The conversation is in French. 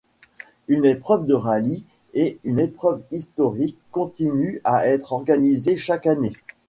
Une épreuve de rallye et une épreuve historique continuent à être organisées chaque année.